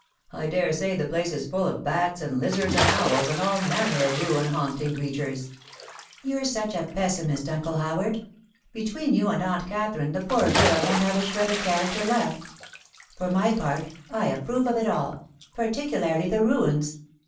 I dare say the place is full of bats and lizards and owls and all manner of ruin haunting creatures.' 'You're such a pessimist, Uncle Howard. Between you and Aunt Katherine, the poor villa won't have a shred of character left. For my part, I approve of it all—particularly the ruins.